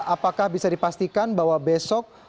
apakah bisa dipastikan bahwa besok